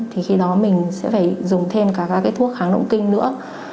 thì khi đó mình sẽ phải dùng thêm cả các cái thuốc kháng động kinh nữa